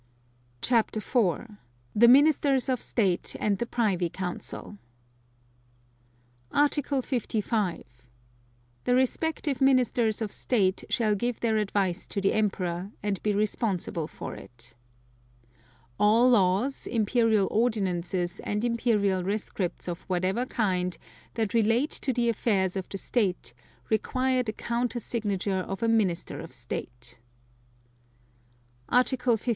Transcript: CHAPTER IV. THE MINISTERS OF STATE AND THE PRIVY COUNCIL Article 55. The respective Ministers of State shall give their advice to the Emperor, and be responsible for it. (2) All Laws, Imperial Ordinances, and Imperial Rescripts of whatever kind, that relate to the affairs of the state, require the countersignature of a Minister of State. Article 56.